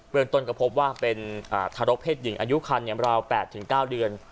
เมืองต้นก็พบว่าเป็นอ่าทารกเพศหญิงอายุคันเนียมราวแปดถึงเก้าเดือน